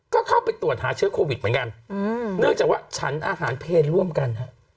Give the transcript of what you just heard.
ก็เข้าไปตรวจหาเชื้อโควิดเหมือนกันเนื่องจากว่าฉันอาหารเพลร่วมกันฮะ